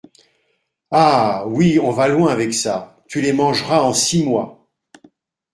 Ah ! oui, on va loin avec ça ! tu les mangeras en six mois !